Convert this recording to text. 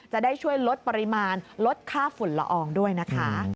จะได้ช่วยลดปริมาณลดค่าฝุ่นละอองด้วยนะคะ